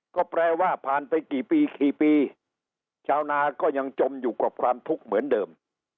ก็แปลว่าผ่านไปกี่ปีกี่ปีชาวนาก็ยังจมอยู่กับความทุกข์เหมือนเดิม